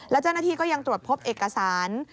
แล้วเจ้าหน้าที่ก็ยังตรวจพบเอกสาร